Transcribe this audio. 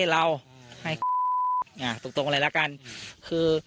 แซ็คเอ้ยเป็นยังไงไม่รอดแน่